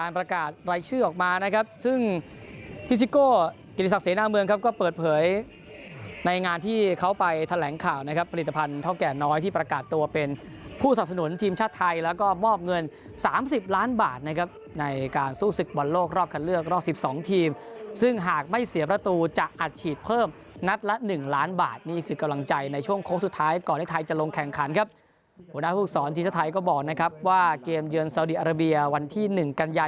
พันธุ์เท่าแก่น้อยที่ประกาศตัวเป็นผู้สับสนุนทีมชาติไทยแล้วก็มอบเงินสามสิบล้านบาทนะครับในการสู้ศึกบอลโลกรอบกันเลือกรอบสิบสองทีมซึ่งหากไม่เสียประตูจะอัดฉีดเพิ่มนัดละหนึ่งล้านบาทนี่คือกำลังใจในช่วงโค้กสุดท้ายก่อนให้ไทยจะลงแข่งขันครับหัวหน้าภูกษรทีมชา